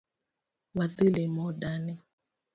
Wadhi limo dani